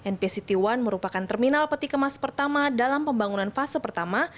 npct satu merupakan terminal peti kemas pertama dalam pembangunan fase pertama